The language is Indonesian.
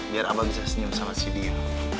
biar abah bisa senyum sama si dia